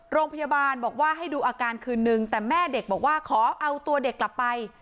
โรงพยาบาลบอกว่าให้ดูอาการคืนนึงแต่แม่เด็กบอกว่าขอเอาตัวเด็กกลับไป